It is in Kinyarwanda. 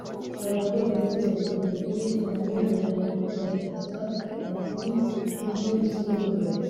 Aba bapolisi bageze kuri Kaminuza ya Garissa saa kumi n’imwe z’umugoroba